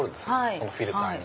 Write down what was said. そのフィルターに。